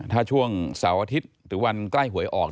ถ้าช่วงเสาร์อาทิตย์หรือวันใกล้หวยออก